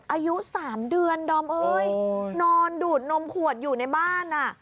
อายุ๓เดือนดอมเอ้ยนอนดูดนมขวดอยู่ในบ้านอ่ะ